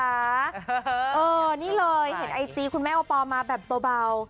นี่เลยเห็นไอจีคุณแม่โอปอลมาแบบเบา